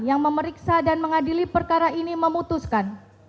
yang memeriksa dan mengadili perkara ini memutuskan